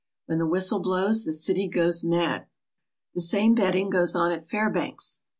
When the whistle blows the city goes mad. "The same betting goes on at Fairbanks.